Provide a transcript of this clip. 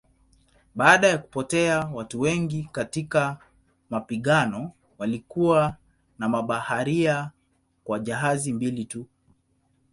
Baada ya kupotea watu wengi katika mapigano walikuwa na mabaharia kwa jahazi mbili tu.